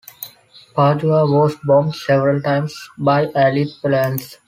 Padua was bombed several times by Allied planes.